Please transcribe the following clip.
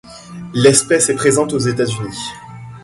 L'espèce est présente aux États-Unis.